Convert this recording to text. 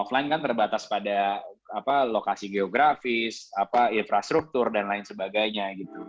offline kan terbatas pada lokasi geografis infrastruktur dan lain sebagainya